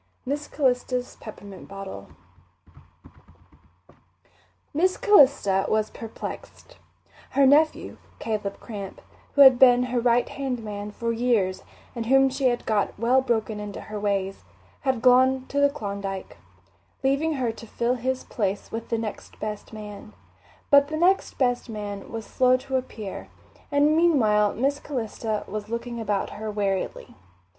Miss Calista's Peppermint Bottle Miss Calista was perplexed. Her nephew, Caleb Cramp, who had been her right hand man for years and whom she had got well broken into her ways, had gone to the Klondike, leaving her to fill his place with the next best man; but the next best man was slow to appear, and meanwhile Miss Calista was looking about her warily.